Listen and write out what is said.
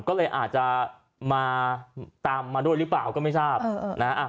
ก็เลยอาจจะมาตามมาด้วยหรือเปล่าก็ไม่ทราบนะ